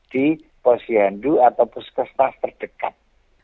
di posyendu atau buskasma terdekat